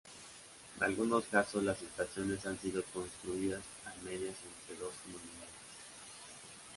En algunos casos, las estaciones han sido construidas a medias entre dos comunidades.